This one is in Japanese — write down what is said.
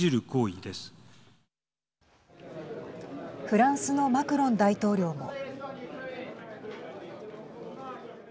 フランスのマクロン大統領も。